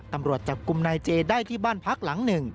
ตำรวจจับกลุ่มนายเจได้ที่บ้านพักหลังหนึ่ง